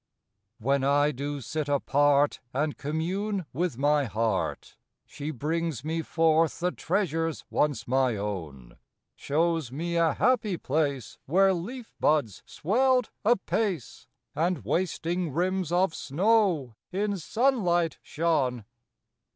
'^\/'HEN I do sit apart And commune with my heart, She brings me forth the treasures once my own: Shows me a happy place Where leaf buds swelled apace, And wasting rims of snow in sunlight shone.